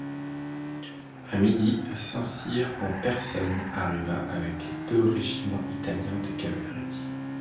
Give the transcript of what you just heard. À midi, Saint-Cyr en personne arriva avec les deux régiments italiens de cavalerie.